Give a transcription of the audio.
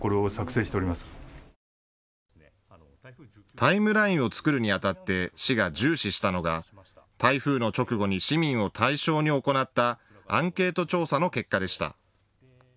タイムラインを作るにあたって市が重視したのが台風の直後に市民を対象に行ったアンケート調査の結果でした。